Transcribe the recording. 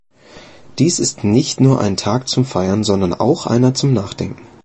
Dies ist nicht nur ein Tag zum Feiern, sondern auch einer zum Nachdenken.